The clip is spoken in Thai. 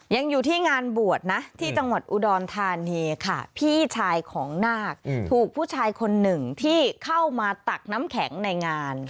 ยังอยู่ที่งานบวชนะที่จังหวัดอุดรธานีค่ะพี่ชายของนาคถูกผู้ชายคนหนึ่งที่เข้ามาตักน้ำแข็งในงาน